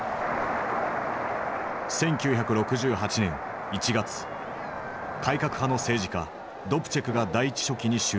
１９６８年１月改革派の政治家ドプチェクが第一書記に就任。